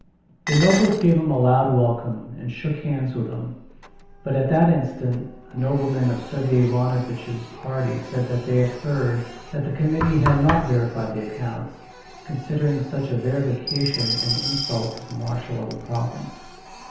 The nobles gave him a loud welcome, and shook hands with him. But at that instant a nobleman of Sergey Ivanovitch's party said that he had heard that the committee had not verified the accounts, considering such a verification an insult to the marshal of the province.